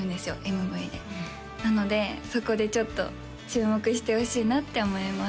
ＭＶでなのでそこでちょっと注目してほしいなって思います